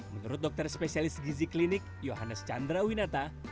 menurut dokter spesialis gizi klinik johannes chandra winata